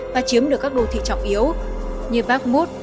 và chiếm được các đô thị trọng yếu như bakhmut